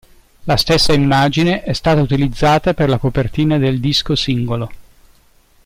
La stessa immagine è stata utilizzata per la copertina del disco singolo.